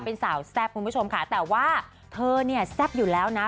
เป็นสาวแซ่บคุณผู้ชมค่ะแต่ว่าเธอเนี่ยแซ่บอยู่แล้วนะ